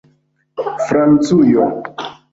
francujo